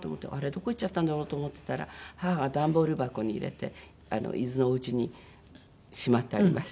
どこいっちゃったんだろうと思ってたら母が段ボール箱に入れて伊豆のお家にしまってありまして。